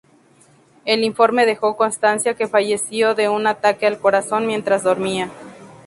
El informe dejó constancia que falleció de un ataque al corazón mientras dormía.